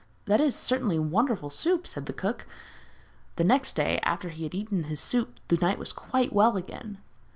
'That is certainly wonderful soup!' said the cook. The third day, after he had eaten his soup, the knight was quite well again.